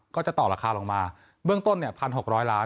ก็จะต่อราคาลงมาเบื้องต้นเนี่ยพันหกร้อยล้าน